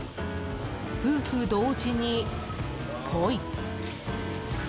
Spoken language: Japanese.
夫婦同時にポイ！